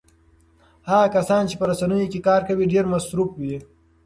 هغه کسان چې په رسنیو کې کار کوي ډېر مصروف وي.